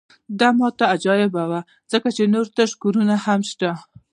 دا ماته عجیبه وه ځکه نور تش کورونه هم شته